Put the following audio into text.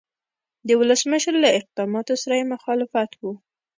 د ولسمشر له اقداماتو سره یې مخالفت و.